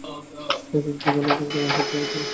এক-এক জীবন এক-এক ডাইমেনশনে প্রবাহিত।